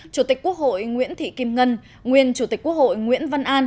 chủ tịch quốc hội nguyễn thị kim ngân nguyên chủ tịch quốc hội nguyễn văn an